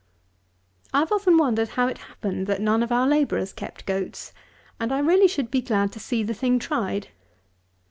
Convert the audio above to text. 192. I have often wondered how it happened that none of our labourers kept goats; and I really should be glad to see the thing tried.